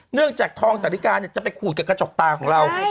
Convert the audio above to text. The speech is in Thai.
เนื่องจากทองสรรคาจะไปขูดกับกระจอกตาของเรา